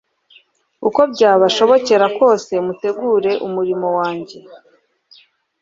Uko byabashobokera kose mutegure umurimo wanjye.